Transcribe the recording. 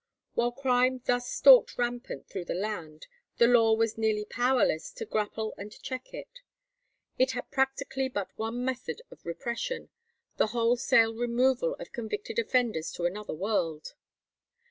While crime thus stalked rampant through the land, the law was nearly powerless to grapple and check it. It had practically but one method of repression—the wholesale removal of convicted offenders to another world.